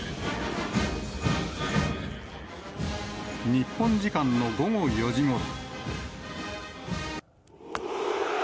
日本時間の午後４時ごろ。